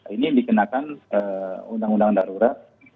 ini dikenakan undang undang darurat